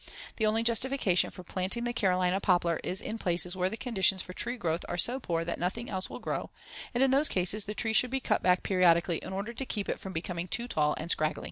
The only justification for planting the Carolina poplar is in places where the conditions for tree growth are so poor that nothing else will grow, and in those cases the tree should be cut back periodically in order to keep it from becoming too tall and scraggly.